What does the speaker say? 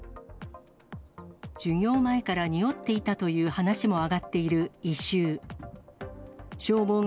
授業前から臭っていたという話も上がっている異臭。